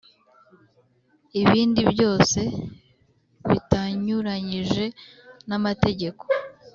Ibindi byose bitanyuranyije n amategeko